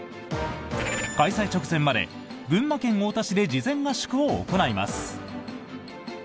開催直前まで、群馬県太田市で事前合宿を行います。